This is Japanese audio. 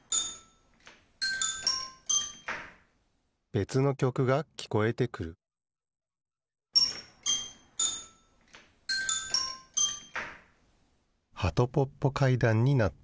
べつのきょくがきこえてくるはとぽっぽ階段になった。